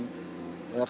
terima kasih pak